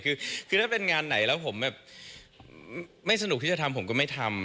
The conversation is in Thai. คือถ้าเป็นงานไหนแล้วผมแบบไม่สนุกที่จะทำผมก็ไม่ทำ